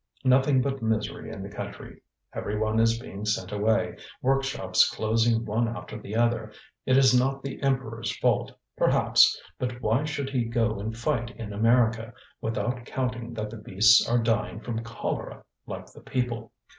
Nothing but misery in the country; every one is being sent away; workshops closing one after the other. It is not the Emperor's fault, perhaps; but why should he go and fight in America? without counting that the beasts are dying from cholera, like the people."